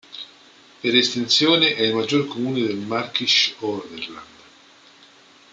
Per estensione è il maggior comune del Märkisch-Oderland.